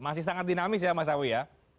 masih sangat dinamis ya mas awi ya